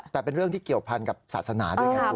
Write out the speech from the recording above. แต่เป็นเรื่องที่เกี่ยวพันกับศาสนาด้วยไง